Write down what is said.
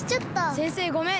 先生ごめん。